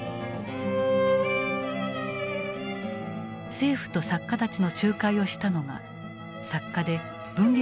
政府と作家たちの仲介をしたのが作家で文藝